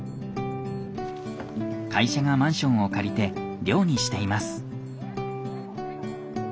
会社がマンションを借りて寮にしています。